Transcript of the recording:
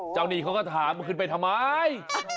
หนี้เขาก็ถามขึ้นไปทำไม